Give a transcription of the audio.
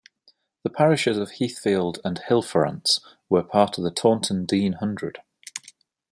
The parishes of Heathfield and Hillfarrance were part of the Taunton Deane Hundred.